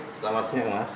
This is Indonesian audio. selamat siang mas